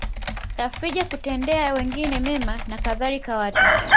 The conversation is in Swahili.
tafrija kutendea wengine mema na kadhalika Watu